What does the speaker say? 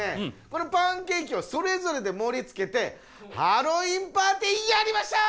このパンケーキをそれぞれでもりつけてハロウィーンパーティーやりましょう！